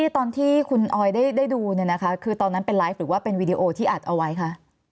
ตอนที่คุณออยได้ดูคือตอนนั้นเป็นไลฟ์หรือว่าเป็นวีดีโอที่อัดเอาไว้คะ